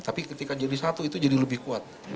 tapi ketika jadi satu itu jadi lebih kuat